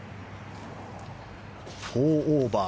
４オーバー。